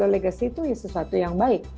delegasi itu sesuatu yang baik